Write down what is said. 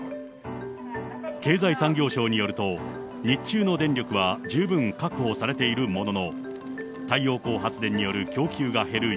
経済産業省によると、日中の電力は十分確保されているものの、太陽光発電による供給が減る